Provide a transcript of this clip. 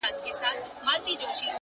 لوړ همت واټنونه لنډ احساسوي،